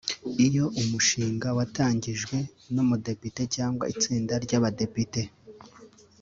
Iyo umushinga watangijwe n’umudepite cyangwa itsinda ry’abadepite